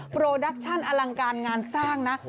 โปรดักชั่นอลังการงานสร้างนะ